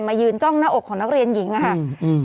ยืนจ้องหน้าอกของนักเรียนหญิงอะค่ะอืม